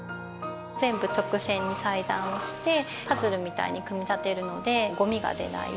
全部直線に裁断をしてパズルみたいに組み立てるのでゴミが出ない。